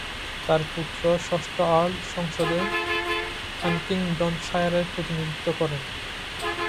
তাঁর পুত্র ষষ্ঠ আর্ল সংসদে হান্টিংডনশায়ারের প্রতিনিধিত্ব করেন।